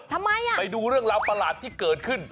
ทำไมอ่ะไปดูเรื่องราวประหลาดที่เกิดขึ้น